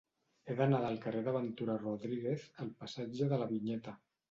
He d'anar del carrer de Ventura Rodríguez al passatge de la Vinyeta.